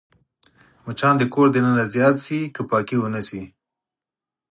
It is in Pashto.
مچان د کور دننه زیات شي که پاکي ونه شي